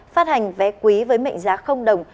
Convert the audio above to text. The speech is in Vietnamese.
phát hành vé quý với mệnh giá đồng